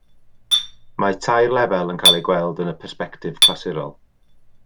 Mae tair lefel yn cael eu gweld yn y persbectif clasurol.